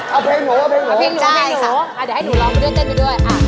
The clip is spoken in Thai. เอาเพลงโหสิใช่ทีสักเออเดี๋ยวให้หนูลองไปเพื่อนเต้นไปด้วย